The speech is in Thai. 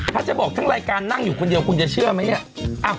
ถ้าจะบอกทั้งรายการนั่งอยู่คนเดียวคุณจะเชื่อไหมเนี่ย